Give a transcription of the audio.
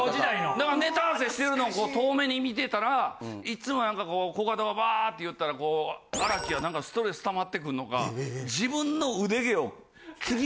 だからネタ合わせしてるの遠目に見てたらいつもコカドがバーって言ったら荒木はストレスたまってくんのか。